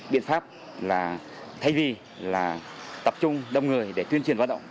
biện pháp thay vì tập trung đông người để tuyên truyền vận động